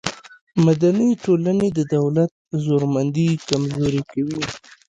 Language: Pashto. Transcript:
مدني ټولنې د دولت زورمندي کمزورې کوي.